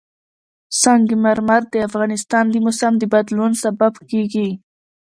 سنگ مرمر د افغانستان د موسم د بدلون سبب کېږي.